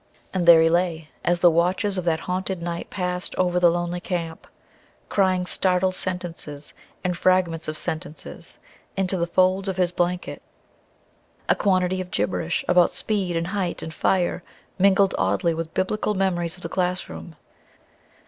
And there he lay, as the watches of that haunted night passed over the lonely camp, crying startled sentences, and fragments of sentences, into the folds of his blanket. A quantity of gibberish about speed and height and fire mingled oddly with biblical memories of the classroom.